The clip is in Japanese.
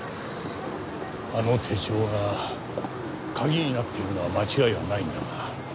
あの手帳が鍵になっているのは間違いはないんだが。